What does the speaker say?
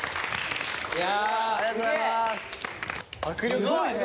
すごいね！